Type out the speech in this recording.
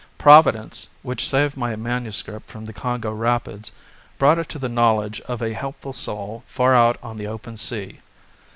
Providence which saved my MS. from the Congo rapids brought it to the knowledge of a helpful soul far out on the open sea.